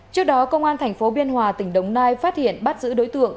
trước đó công an thành phố biên hòa tỉnh đồng nai phát hiện bắt giữ đối tượng